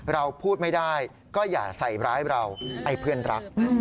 เราพูดไม่ได้ก็อย่าใส่ร้ายเราไอ้เพื่อนรัก